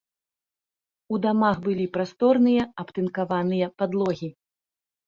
У дамах былі прасторныя абтынкаваныя падлогі.